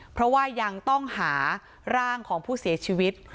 เพราะว่ายังต้องหาร่างของผู้เสียชีวิต